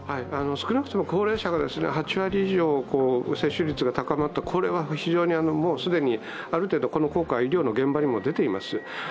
少なくとも高齢者が８割以上、接種率が高まった、これはもう既にある程度この効果が医療の現場にも出ています。